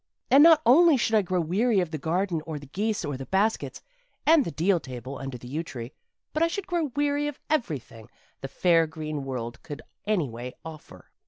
And not only should I grow weary of the garden or the geese or the baskets, and the deal table under the yew tree, but I should grow weary of everything the fair green world could anyway offer.